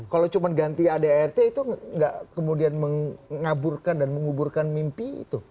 kalau cuma ganti adrt itu nggak kemudian mengaburkan dan menguburkan mimpi itu